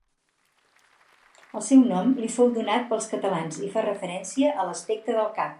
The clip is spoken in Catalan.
El seu nom li fou donat pels catalans i fa referència a l'aspecte del cap.